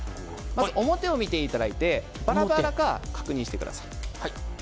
まず表を見ていただいてバラバラか確認してください。